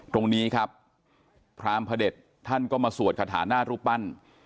ตรงนี้ครับพรามพระเด็จท่านก็มาสวดคาถาหน้ารูปปั้น